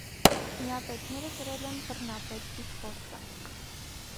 Միապետները կրել են բռնապետ տիտղոսը։